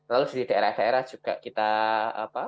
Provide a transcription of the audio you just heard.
lalu di daerah daerah juga kita apa